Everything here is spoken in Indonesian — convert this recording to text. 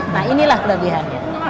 nah inilah kelebihannya